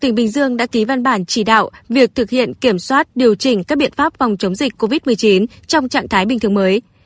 tỉnh bình dương đã ký văn bản chỉ đạo việc thực hiện kiểm soát điều chỉnh các biện pháp phòng chống dịch covid một mươi chín trong trạng thái bình thường mới